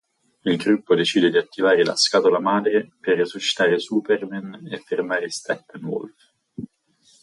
Il gruppo decide di attivare la Scatola Madre per resuscitare Superman e fermare Steppenwolf.